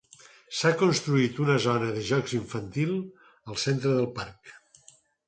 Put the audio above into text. S'ha construït una zona de jocs infantil en el centre del parc.